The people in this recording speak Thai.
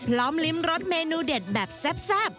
พร้อมริมรสเมนูเด็ดแบบแซ่บ